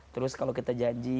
terus kalau kita janji